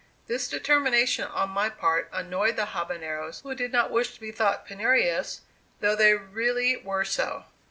This determination on my part annoyed the Habaneros, who did not wish to be thought penurious, though they really were so.